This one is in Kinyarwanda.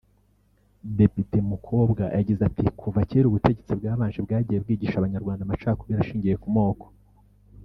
Depite Mukobwa yagize ati “Kuva kera ubutegetsi bwabanje bwagiye bwigisha Abanyarwanda amacakubiri ashingiye ku moko